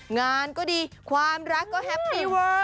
งานก็ดีความรักก็แฮปปี้เวอร์